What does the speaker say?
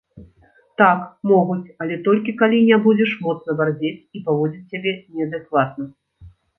Так, могуць, але толькі калі не будзеш моцна барзець і паводзіць сябе неадэкватна.